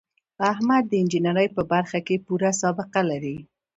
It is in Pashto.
احمد د انجینرۍ په برخه کې پوره سابقه لري.